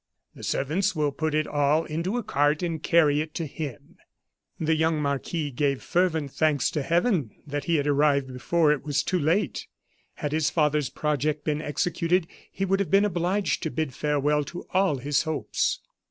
The servants will put it all into a cart and carry it to him." The young marquis gave fervent thanks to Heaven that he had arrived before it was too late. Had his father's project been executed, he would have been obliged to bid farewell to all his hopes.